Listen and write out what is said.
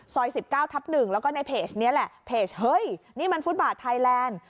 ๑๙ทับ๑แล้วก็ในเพจนี้แหละเพจเฮ้ยนี่มันฟุตบาทไทยแลนด์